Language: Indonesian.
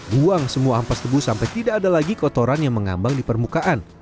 buang semua ampas tebu sampai tidak ada lagi kotoran yang mengambang di permukaan